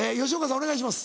お願いします。